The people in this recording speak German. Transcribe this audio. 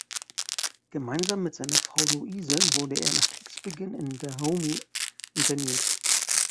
Gemeinsam mit seiner Frau Luise wurde er nach Kriegsbeginn in Dahomey interniert.